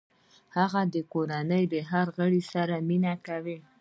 هغه د خپلې کورنۍ د هر غړي سره مینه کوي